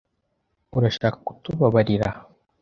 Urashaka kutubabarira?